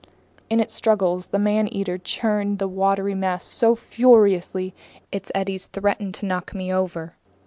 In its struggles the man eater churned the watery mass so furiously, its eddies threatened to knock me over.